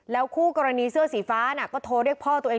คู่กรณีเสื้อสีฟ้าน่ะก็โทรเรียกพ่อตัวเอง